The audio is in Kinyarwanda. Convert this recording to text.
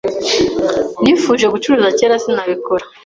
Nifuje gucuruza kera sinabikora